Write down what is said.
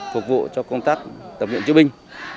phục vụ cho công tác tập luyện diễu binh